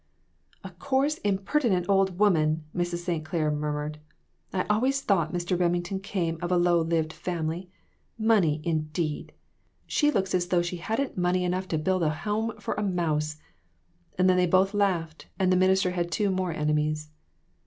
"A coarse, impertinent old woman," Mrs. St. Clair murmured; "I always thought Mr. Reming ton came of a low lived family. Money, indeed! She looks as though she hadn't money enough to build a home for a mouse !" And then they both laughed, and the minister had two more enemies.